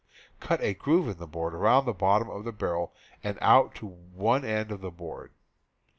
Cut a groove in the board around the bottom of the barrel and out to one end of the board.